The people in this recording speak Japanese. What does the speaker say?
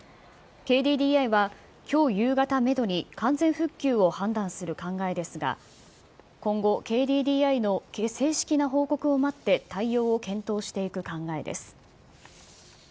ＫＤＤＩはきょう夕方メドに、完全復旧を判断する考えですが、今後、ＫＤＤＩの正式な報告を待って、対応を検討していく考えです。